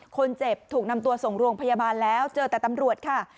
คนเจ็บถูกนำตัวส่งโรงพยาบาลแล้วเจอแต่ตำรวจค่ะ